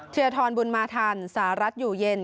เทียทรบุญมาทันสารัสอยู่เย็น